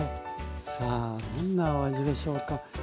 さあどんなお味でしょうか。